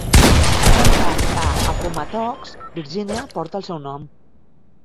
Un parc a Appomattox, Virgínia, porta el seu nom.